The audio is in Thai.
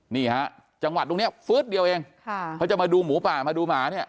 นี่ฮะจังหวัดตรงเนี้ยฟื๊ดเดียวเองค่ะเขาจะมาดูหมูป่ามาดูหมาเนี่ย